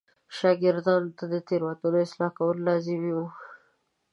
شاګردانو ته د تېروتنو اصلاح کول لازمي و.